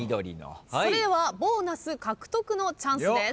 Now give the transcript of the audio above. それではボーナス獲得のチャンスです。